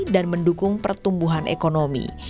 dan mendukung pertumbuhan ekonomi